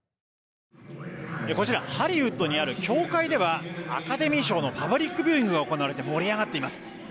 こちらハリウッドにある教会ではアカデミー賞のパブリックビューイングが行われて盛り上がっています。